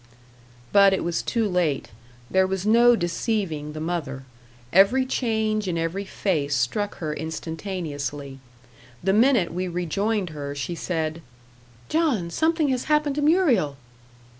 But it was too late. There was no deceiving the mother. Every change in every face struck her instantaneously. The minute we rejoined her she said: "John, something has happened to Muriel."